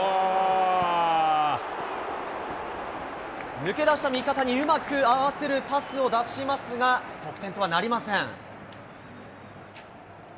抜け出した味方にうまく合わせるパスを出しますが、得点とはなりません。